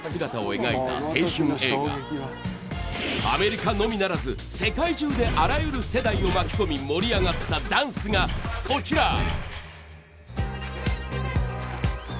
アメリカのみならず世界中であらゆる世代を巻き込み盛り上がったダンスがこちら。